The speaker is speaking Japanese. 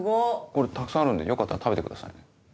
これたくさんあるんでよかったら食べてくださいね。